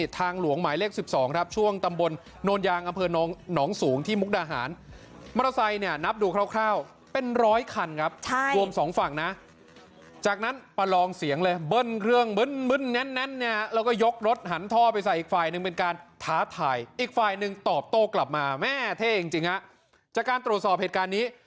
ต่อโต้กลับมาแม่เท่จริงจริงฮะจากการตรวจสอบเหตุการณ์นี้